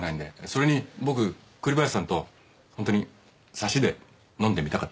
それに僕栗林さんとホントに差しで飲んでみたかったんです。